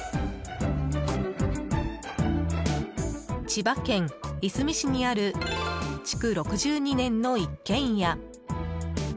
千葉県いすみ市にある築６２年の一軒家。